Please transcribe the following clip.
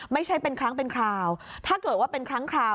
ไม่ใช่เป็นครั้งเป็นคราวถ้าเกิดว่าเป็นครั้งคราว